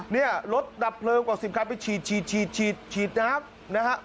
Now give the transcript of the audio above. เนี่ยรถดับเพลิงกว่าสิบคันไปฉีดฉีดฉีดฉีดฉีดนะครับนะฮะ